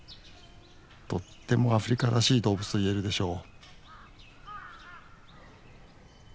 とってもアフリカらしい動物といえるでしょう